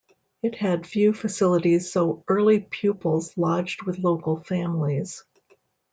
It had few facilities so early pupils lodged with local families.